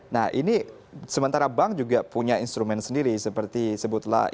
nah ini sementara bank juga punya instrumen sendiri seperti sebutlah